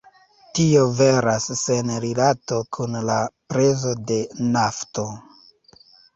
Tio veras sen rilato kun la prezo de nafto.